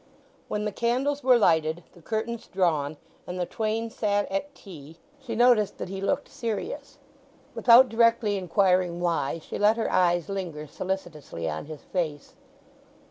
When the candles were lighted, the curtains drawn, and the twain sat at tea, she noticed that he looked serious. Without directly inquiring why she let her eyes linger solicitously on his face.